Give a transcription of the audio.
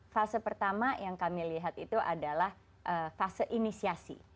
fase pertama yang kami lihat itu adalah fase inisiasi